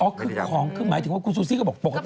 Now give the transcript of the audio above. คือของคือหมายถึงว่าคุณซูซี่ก็บอกปกติ